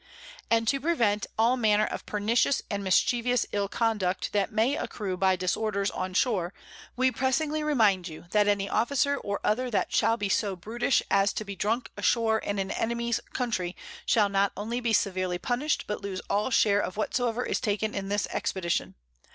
_ _And to prevent all manner of pernicious and mischievous Ill Conduct that may accrue by Disorders on shore, we pressingly remind you, that any Officer or other that shall be so brutish as to be drunk ashore in an Enemy's Country, shall not only be severely punish'd, but lose all share of whatsoever is taken in this Expedition.